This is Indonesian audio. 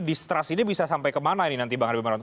distrust ini bisa sampai kemana ini nanti bang habibronto